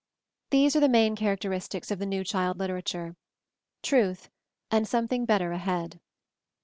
"These are the main characteristics of the new child literature : Truth and Something Better Ahead."